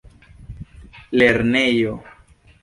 lernejo